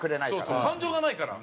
そう感情がないから。